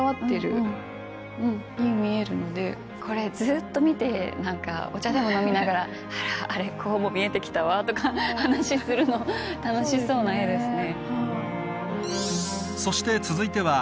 これずっと見てお茶でも飲みながら「あらあれこうも見えてきたわ」とか話するの楽しそうな絵ですね。